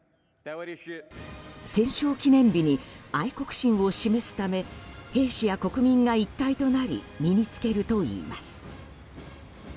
戦勝記念日に愛国心を示すため兵士や国民が一体となり身に着けるといいます。